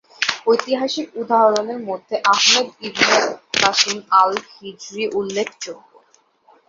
ঐতিহাসিক উদাহরণের মধ্যে আহমদ ইবনে কাসিম আল-হিজরি উল্লেখযোগ্য।